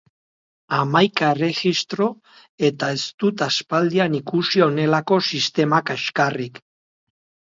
Hamaika erregistro eta ez dut aspaldian ikusi honelako sistema kaxkarrik!